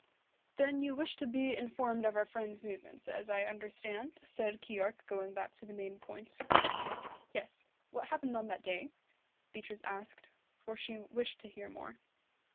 "Then you wish to be informed of our friend's movements, as I understand it?" said Keyork going back to the main point. "Yes what happened on that day?" Beatrice asked, for she wished to hear more.